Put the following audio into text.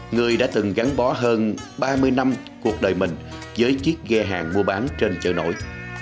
người đã từng gắn bó hơn ba mươi năm cuộc đời mình với chiếc ghe hàng mua bán trên chợ nổi